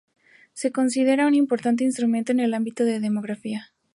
Se considera un importante instrumentos en el ámbito de la demografía.